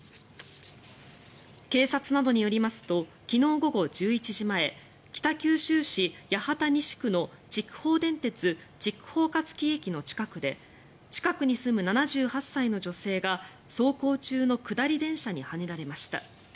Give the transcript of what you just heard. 警察などによりますと昨日午後１１時前北九州市八幡西区の筑豊電鉄筑豊香月駅の近くで近くに住む７８歳の女性が走行中の下り電車にはねられました。